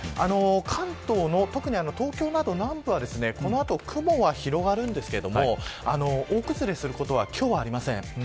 関東の、特に東京など南部はこの後、雲は広がるんですが大崩れすることは今日はありません。